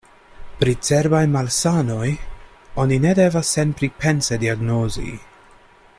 Pri cerbaj malsanoj oni ne devas senpripense diagnozi.